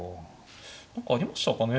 何かありましたかね？